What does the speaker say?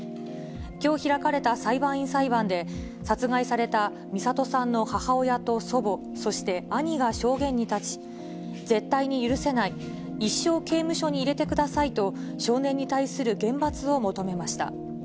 きょう開かれた裁判員裁判で、殺害された弥里さんの母親と祖母、そして兄が証言に立ち、絶対に許せない、一生刑務所に入れてくださいと、少年に対する厳罰を求めました。